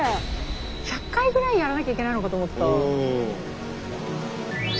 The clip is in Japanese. １００回ぐらいやらなきゃいけないのかと思った。